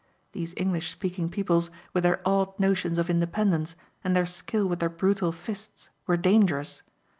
These English speaking peoples with their odd notions of independence and their skill with their brutal fists were dangerous.